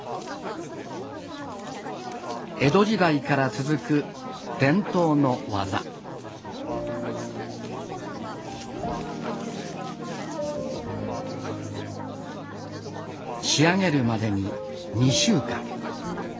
江戸時代から続く伝統の技仕上げるまでに２週間。